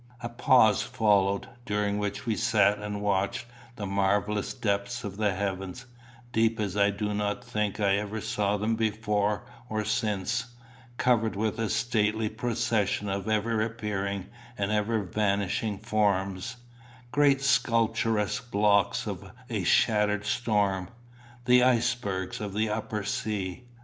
A pause followed, during which we sat and watched the marvellous depth of the heavens, deep as I do not think I ever saw them before or since, covered with a stately procession of ever appearing and ever vanishing forms great sculpturesque blocks of a shattered storm the icebergs of the upper sea.